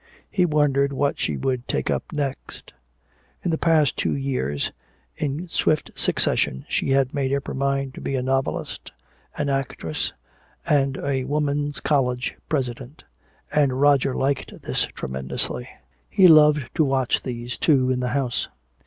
He wondered what she would take up next. In the past two years in swift succession she had made up her mind to be a novelist, an actress and a women's college president. And Roger liked this tremendously. He loved to watch these two in the house.